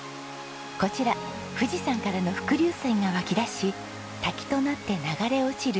こちら富士山からの伏流水が湧き出し滝となって流れ落ちる夏狩